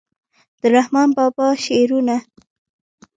د رحمان بابا شعرونه